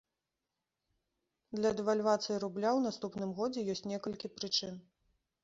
Для дэвальвацыі рубля ў наступным годзе ёсць некалькі прычын.